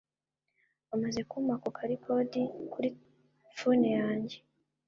amaze kumpa ako ka record kuri phone yanjye